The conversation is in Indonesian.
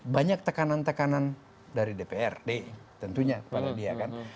banyak tekanan tekanan dari dprd tentunya kepada dia kan